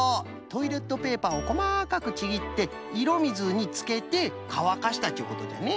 トイレットペーパーをこまかくちぎっていろみずにつけてかわかしたっちゅうことじゃね。